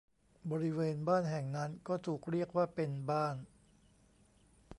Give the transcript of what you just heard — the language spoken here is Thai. บริเวณบ้านแห่งนั้นก็ถูกเรียกว่าเป็นบ้าน